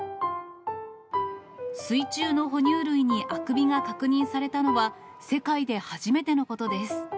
水中の哺乳類にあくびが確認されたのは、世界で初めてのことです。